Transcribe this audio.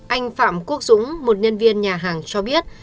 anh phạm quốc dũng một nhân viên nhà hàng cho biết